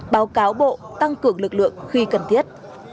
báo cáo bộ tăng cường lực lượng khi cần thiết